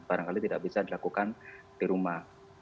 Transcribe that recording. barangkali tidak bisa dilakukan di rumah